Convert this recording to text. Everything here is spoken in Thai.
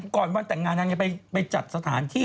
วันแต่งงานนางจะไปจัดสถานที่